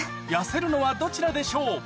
痩せるのはどちらでしょう？